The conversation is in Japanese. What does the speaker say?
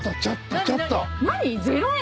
何⁉０円！